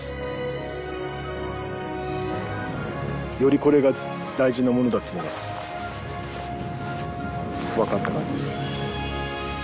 よりこれが大事なものだっていうのが分かった感じです。